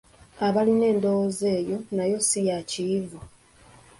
Abalina endowooza eyo nayo si ya Kiyivu